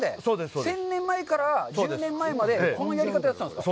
１０００年前から、１０年前までこのやり方でやってるんですか？